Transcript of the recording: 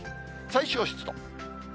最小湿度。